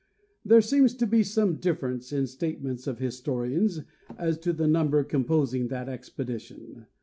— There seems to be some difference in statements of historians as to the number composing that expedition.